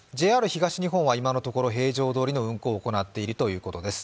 ＪＲ東日本は今のところ平常どおりの運行を行っているということです。